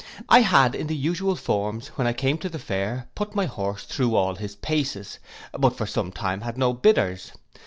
I had, in the usual forms, when I came to the fair, put my horse through all his paces; but for some time had no bidders.